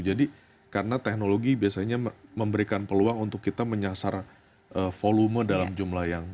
jadi karena teknologi biasanya memberikan peluang untuk kita menyasar volume dalam jumlah yang besar